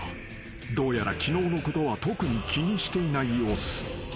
［どうやら昨日のことは特に気にしていない様子］